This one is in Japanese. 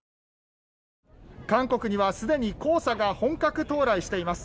韓国にはすでに黄砂が本格到来しています。